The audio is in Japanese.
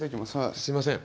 すいませんはい。